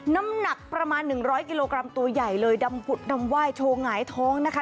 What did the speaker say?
น้ำหนักประมาณ๑๐๐กิโลกรัมตัวใหญ่เลยดำผุดดำไหว้โชว์หงายท้องนะคะ